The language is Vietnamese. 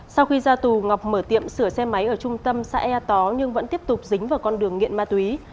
sau khi ra tù ngọc mở tiệm sửa xe máy ở trung tâm xã ea tó nhưng vẫn tiếp tục dính vào con đường nghiện ma túy